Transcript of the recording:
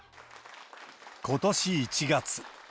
ことし１月。